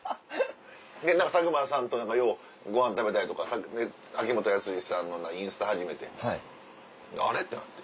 で何か佐久間さんとようご飯食べたりとか秋元康さんのインスタ始めてあれ？ってなって。